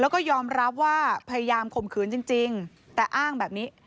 แล้วก็ยอมรับว่าพยายามข่มขืนจริงแต่อ้างแบบนี้